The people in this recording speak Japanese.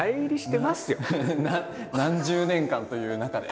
何十年間という中で。